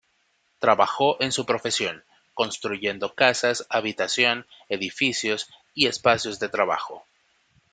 Trabajó en su profesión, construyendo casas habitación, edificios, y espacios de trabajo.